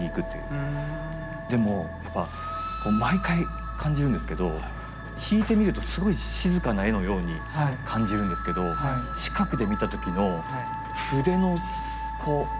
でもやっぱ毎回感じるんですけど引いてみるとすごい静かな絵のように感じるんですけど近くで見た時の筆のこう。